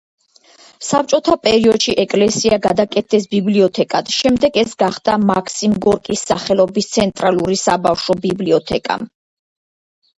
საბჭოთა პერიოდში ეკლესია გადააკეთეს ბიბლიოთეკად, შემდეგ ეს გახდა მაქსიმ გორკის სახელობის ცენტრალური საბავშვო ბიბლიოთეკა.